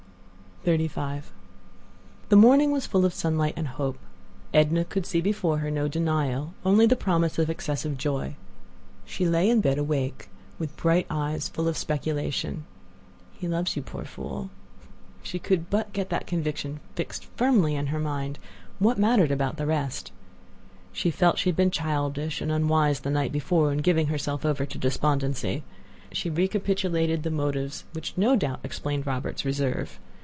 XXXV The morning was full of sunlight and hope. Edna could see before her no denial—only the promise of excessive joy. She lay in bed awake, with bright eyes full of speculation. "He loves you, poor fool." If she could but get that conviction firmly fixed in her mind, what mattered about the rest? She felt she had been childish and unwise the night before in giving herself over to despondency. She recapitulated the motives which no doubt explained Robert's reserve.